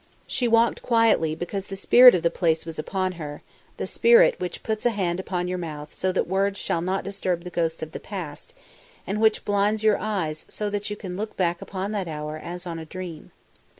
She walked quietly because the spirit of the place was upon her, the spirit which puts a hand upon your mouth so that words shall not disturb the ghosts of the past, and which blinds your eyes so that you look back upon that hour as on a dream.